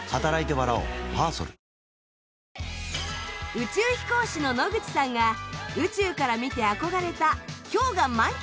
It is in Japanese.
宇宙飛行士の野口さんが宇宙から見て憧れた氷河満喫